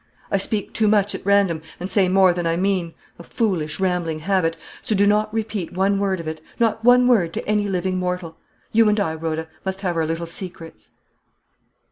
I speak too much at random, and say more than I mean a foolish, rambling habit: so do not repeat one word of it, not one word to any living mortal. You and I, Rhoda, must have our little secrets."